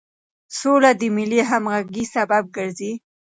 سوله د ملي همغږۍ سبب ګرځي.